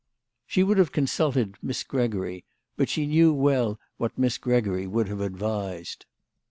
She would have consulted Miss Gregory, but she knew so well what Miss Gregory would have advised.